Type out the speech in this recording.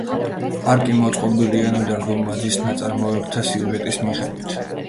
პარკი მოწყობილია ნოდარ დუმბაძის ნაწარმოებთა სიუჟეტის მიხედვით.